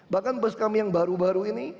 bahkan bus kami yang baru baru ini